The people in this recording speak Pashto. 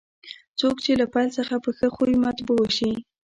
څوک چې له پیل څخه په ښه خوی مطبوع شي.